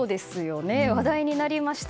話題になりました。